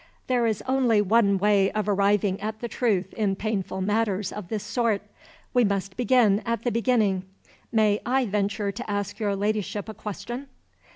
"There is only one way of arriving at the truth in painful matters of this sort. We must begin at the beginning. May I venture to ask your Ladyship a question?"